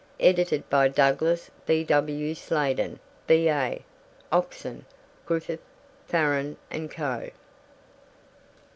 Edited by Douglas B. W. Sladen, B.A. Oxon. (Griffith, Farran and Co.)